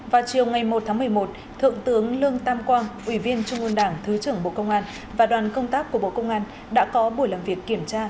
vào chiều ngày một tháng một mươi một thượng tướng lương tam quang ủy viên trung ương đảng thứ trưởng bộ công an và đoàn công tác của bộ công an đã có buổi làm việc kiểm tra